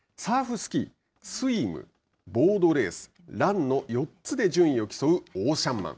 スキー、スイムボードレース、ランの４つで順位を競うオーシャンマン。